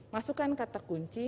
masukkan kata kunci